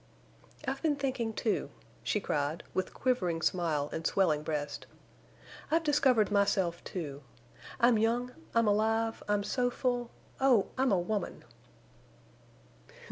"I've been thinking—too," she cried, with quivering smile and swelling breast. "I've discovered myself—too. I'm young—I'm alive—I'm so full—oh! I'm a woman!"